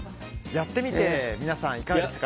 やってみて皆さんいかがですか？